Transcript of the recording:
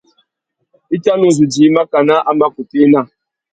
I tà nu zu djï makana a mà kutu ena.